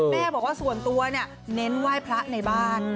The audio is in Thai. แม่บอกว่าส่วนตัวเนี่ยเน้นไหว้พระในบ้าน